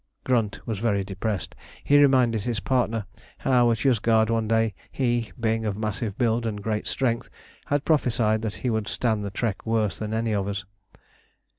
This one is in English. Grunt was very depressed. He reminded his partner how at Yozgad one day he, being of massive build and great strength, had prophesied that he would stand the trek worse than any of us.